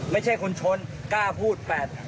ไม่ใช่คนชนกล้าพูด